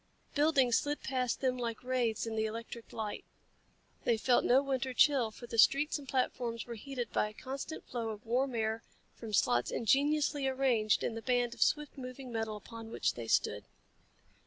Buildings slid past them like wraiths in the electric light. They felt no winter chill, for the streets and platforms were heated by a constant flow of warm air from slots ingeniously arranged in the band of swift moving metal upon which they stood.